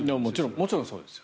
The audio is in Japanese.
もちろんそうですよね。